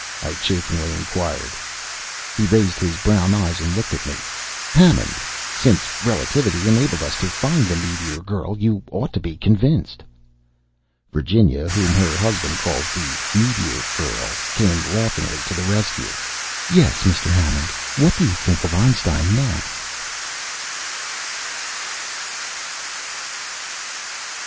I chaffingly inquired. He raised his brown eyes and looked at me. "Hammond, since relativity enabled us to find the Meteor Girl, you ought to be convinced!" Virginia whom her husband calls the Meteor Girl came laughingly to the rescue. "Yes, Mr. Hammond, what do you think of Einstein now?"